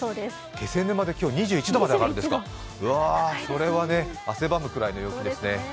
気仙沼市で今日２１度まで上がるんですか、うわ、汗ばむぐらいの陽気ですね